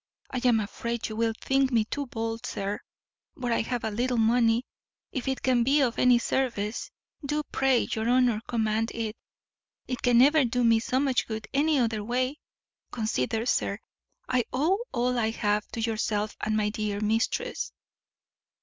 I am afraid you will think me too bold, sir; but I have a little money; if it can be of any service, do, pray your honour, command it. It can never do me so much good any other way. Consider, sir, I owe all I have to yourself and my dear mistress."